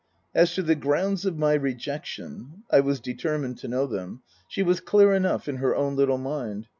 As to the grounds of my rejection (I was determined to know them), she was clear enough in her own little mind.